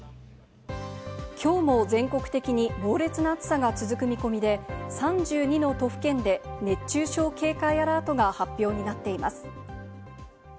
きょうも全国的に猛烈な暑さが続く見込みで、３２の都府県で熱中症警戒アラートが発表になっています。